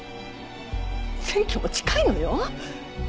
選挙も近いのよ。